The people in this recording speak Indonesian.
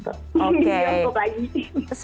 di film kok lagi sih